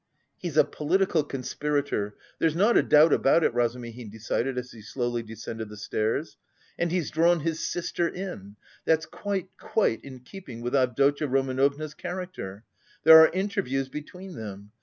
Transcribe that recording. "He's a political conspirator, there's not a doubt about it," Razumihin decided, as he slowly descended the stairs. "And he's drawn his sister in; that's quite, quite in keeping with Avdotya Romanovna's character. There are interviews between them!...